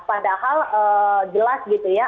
padahal jelas gitu ya